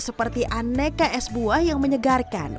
seperti aneka es buah yang menyegarkan